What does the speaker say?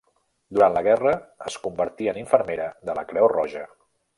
Durant la Guerra es convertí en infermera de la Creu Roja.